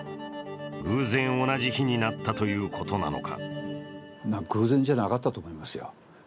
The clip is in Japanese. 偶然同じ日になったということなのか。